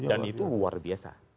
dan itu luar biasa